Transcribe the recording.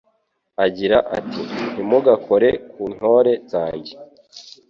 agira ati Ntimugakore ku ntore zanjye